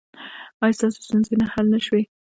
ایا ستاسو ستونزې حل نه شوې؟